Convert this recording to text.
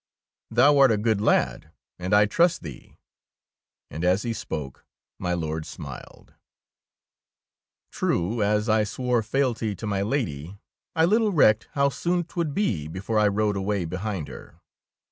''Thou art a good lad, and I trust thee"; and as he spoke, my Lord smiled. True, as I swore fealty to my Lady, 10 THE KOBE OF THE DUCHESS I little recked how soon 't would be before I rode away behind her!